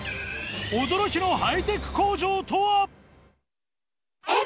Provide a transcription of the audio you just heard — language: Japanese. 驚きのハイテク工場とは？